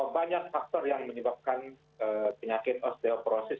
banyak faktor yang menyebabkan penyakit osteoporosis